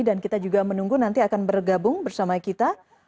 dan kita juga menunggu nanti akan bergabung bersama kita